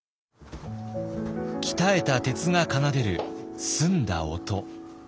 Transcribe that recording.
鍛えた鉄が奏でる澄んだ音。